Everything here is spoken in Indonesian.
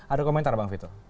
ada komentar bang vito